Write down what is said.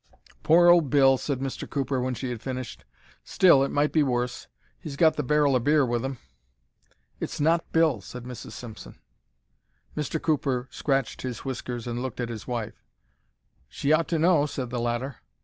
"Poor old Bill," said Mr. Cooper, when she had finished. "Still, it might be worse; he's got the barrel o' beer with him." "It's not Bill," said Mrs. Simpson. Mr. Cooper scratched his whiskers and looked at his wife. "She ought to know," said the latter.